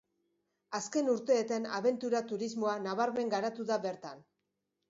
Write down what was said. Azken urteetan abentura turismoa nabarmen garatu da bertan.